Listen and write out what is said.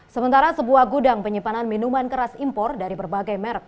sementara sebuah gudang penyimpanan minuman keras impor dari berbagai merek